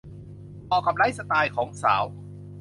เหมาะกับไลฟ์สไตล์ของสาว